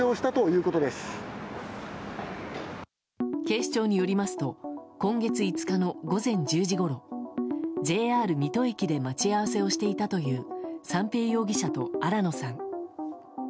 警視庁によりますと今月５日の午前１０時ごろＪＲ水戸駅で待ち合わせをしていたという三瓶容疑者と新野さん。